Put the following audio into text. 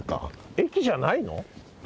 駅じゃないの？